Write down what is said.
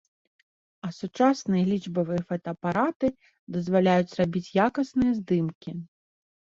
А сучасныя лічбавыя фотаапараты дазваляюць рабіць якасныя здымкі.